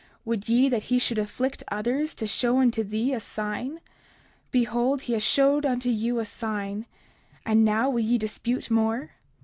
Would ye that he should afflict others, to show unto thee a sign? Behold, he has showed unto you a sign; and now will ye dispute more?